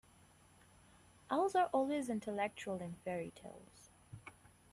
Owls are always intellectual in fairy-tales.